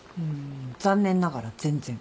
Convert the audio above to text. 残念ながら全然。